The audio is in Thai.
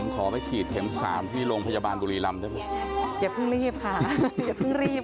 ข้อไปฉีดเทรม๓พี่โรงพจบาลบุรีลำได้ไม่